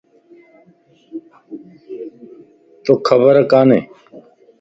توکَ خبر کاني؟